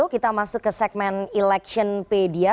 dan kita masuk ke segmen election pedia